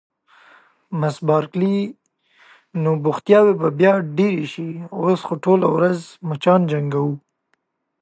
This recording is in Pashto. مس بارکلي: نو بوختیاوې به بیا ډېرې شي، اوس خو ټوله ورځ مچان جنګوو.